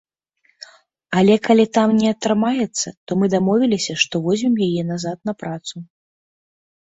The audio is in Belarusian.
Але калі там не атрымаецца, то мы дамовіліся што возьмем яе назад на працу.